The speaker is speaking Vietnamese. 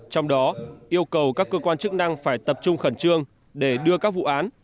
trong đó yêu cầu các cơ quan chức năng phải tập trung khẩn trương để đưa các vụ án